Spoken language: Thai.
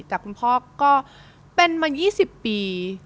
แต่คุณพ่อก็เป็นมา๒๐ปี